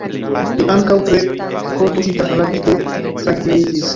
Li, ankaŭ tre kortuŝita, rapide trankviliĝis.